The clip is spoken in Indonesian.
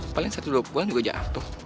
paling satu dua bulan juga jatuh